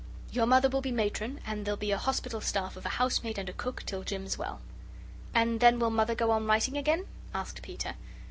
Your Mother will be Matron, and there'll be a hospital staff of a housemaid and a cook till Jim's well." "And then will Mother go on writing again?" asked Peter.